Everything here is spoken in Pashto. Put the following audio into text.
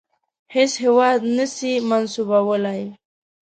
هیڅ هیواد نه سي منسوبولای.